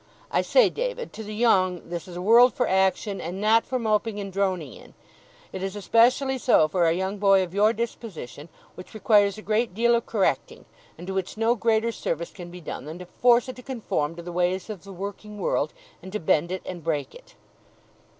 I say, David, to the young this is a world for action, and not for moping and droning in. It is especially so for a young boy of your disposition, which requires a great deal of correcting; and to which no greater service can be done than to force it to conform to the ways of the working world, and to bend it and break it.